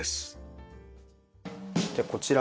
じゃあこちら。